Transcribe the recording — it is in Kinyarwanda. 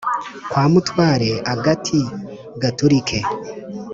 kwa mutware agati gaturike!